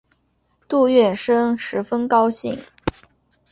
杜月笙十分高兴。